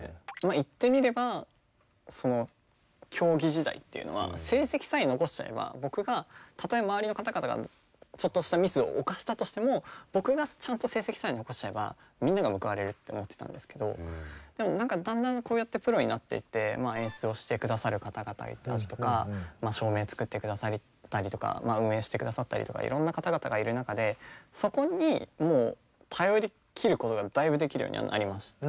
言ってみれば競技時代っていうのは成績さえ残しちゃえば僕がたとえ周りの方々がちょっとしたミスを犯したとしても僕がちゃんと成績さえ残しちゃえばみんなが報われるって思ってたんですけどでも何かだんだんこうやってプロになっていって演出をしてくださる方々であるとかまあ照明作ってくださったりとか運営してくださったりとかいろんな方々がいる中でそこにもう頼り切ることがだいぶできるようにはなりました。